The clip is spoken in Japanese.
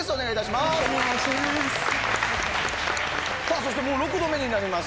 そしてもう６度目になります。